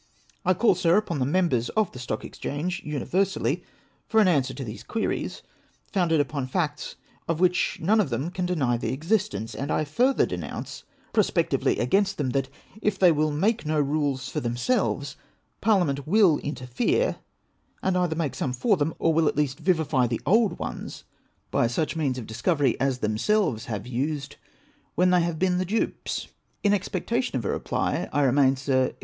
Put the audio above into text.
I call, Sir, upon the members of the Stock Exchange, universally, for an answer to these queries, founded upon facts of which none of them can deny the existence ; and I further denounce prospectively against them, that, if they will make no rules for themselves, Parlia ment will interfere, and either make some for them, or will at least vivify the old ones by such means of discovery as H H 4 472 APrEXDIX XIX. themselves have used, when the}" have been the dupes. In expectation of a reply, I remain, Sir, &.